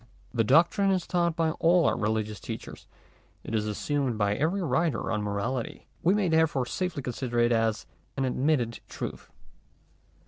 The doctrine is taught by all our religious teachers ; it is assumed by every writer on morality: we may therefore safely consider it as an admitted truth.